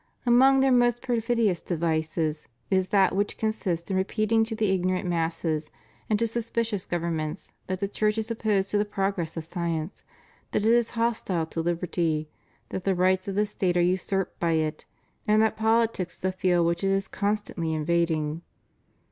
Among their most perfidious devices is that which consists in repeating to the ignorant masses and to suspicious governments that the Church is opposed to the progress of science, that it is hostile to liberty, that the rights of the State are usurped by it and that politics is a field which it is constantly invading.